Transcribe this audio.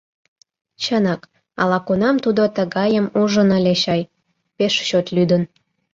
Чынак, ала-кунам тудо тыгайым ужын ыле чай, пеш чот лӱдын.